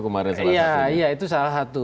kemarin salah satu iya iya itu salah satu